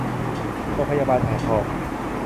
โรงพยาบาลอ่างทอง